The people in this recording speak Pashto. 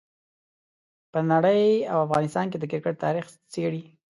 په نړۍ او افغانستان کې د کرکټ تاریخ څېړي.